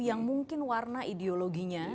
yang mungkin warna ideologinya